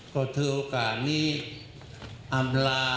ก็ถือโอกาสนี้อำลา